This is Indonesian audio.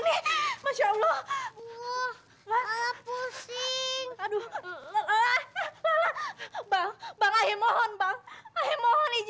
cepetan itu buang uangnya